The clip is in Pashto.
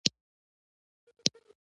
بېنډۍ ژر پخېږي